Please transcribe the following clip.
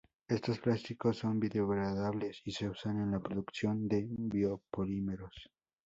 Estos plásticos son biodegradables y se usan en la producción de biopolímeros.